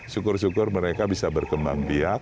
syukur syukur mereka bisa berkembang biak